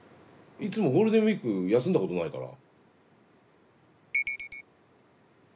いつもゴールデンウイーク休んだことないから。